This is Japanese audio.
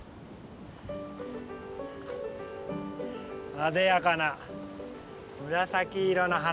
あでやかな紫色の花。